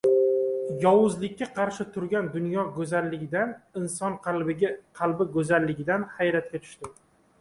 yovuzlikka qarshi turgan dunyo go‘zalligidan, inson qalbi go‘zalligidan hayratga tushadi.